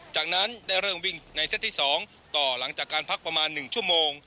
จากนั้นได้เริ่มวิ่งในเซตที่๒ต่อหลังจากการพักประมาณ๑ชั่วโมง